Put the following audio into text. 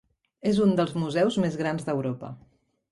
És un dels museus més grans d'Europa.